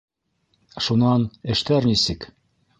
Шунан, эштәр нисек?